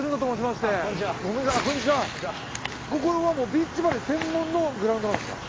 ここはもうビーチバレー専門のグラウンドなんですか？